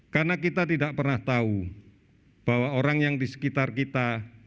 karena kita tidak pernah tahu bahwa orang yang di sekitar kita